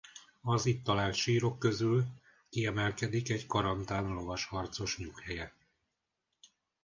A itt talált sírok közül kiemelkedik egy karantán lovas harcos nyughelye.